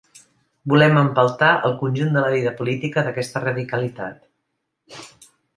Volem empeltar el conjunt de la vida política d’aquesta radicalitat.